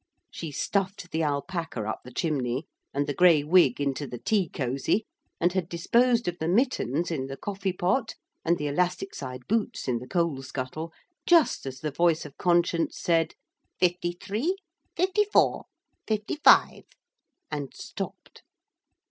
She stuffed the alpaca up the chimney and the grey wig into the tea cosy, and had disposed of the mittens in the coffee pot and the elastic side boots in the coal scuttle, just as the voice of conscience said 'Fifty three, fifty four, fifty five!' and stopped.